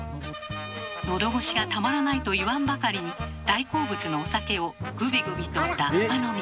のどごしがたまらないと言わんばかりに大好物のお酒をグビグビとラッパ飲み。